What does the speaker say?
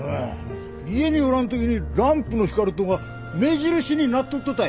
家におらんときにランプの光るとが目印になっとっとたい。